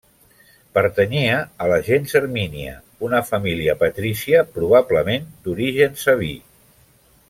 Pertanyia a la gens Hermínia, una família patrícia probablement d'origen sabí.